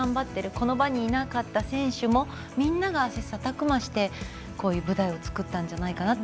この場にいなかった選手もみんなが切さたく磨してこういう舞台を作ったんじゃないかなって。